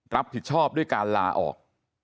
รับผิดชอบด้วยการลาออก